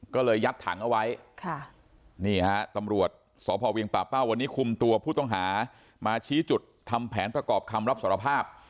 ก็เลยยัดถังเอาไว้นี่ฮะตำรวจสพเวียงป่าเป้าวันนี้คุมตัวผู้ต้องหามาชี้จุดทำแผนประกอบคำรับสารภาพ